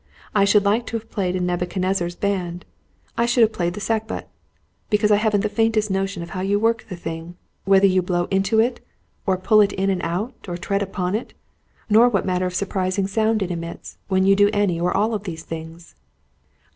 I should like to have played in Nebuchadnezzar's band. I should have played the sackbut, because I haven't the faintest notion how you work the thing whether you blow into it, or pull it in and out, or tread upon it; nor what manner of surprising sound it emits, when you do any or all of these things.